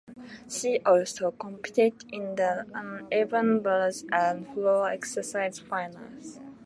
She also competed in the uneven bars and floor exercise finals.